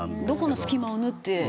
どこの隙間を縫って。